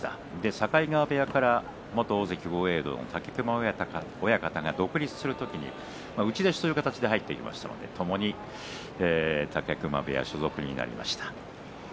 境川部屋から元豪栄道の武隈親方が独立する時に打ち出しという形で入ってきましたのでともに武隈部屋所属になりました。